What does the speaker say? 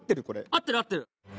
合ってる合ってる。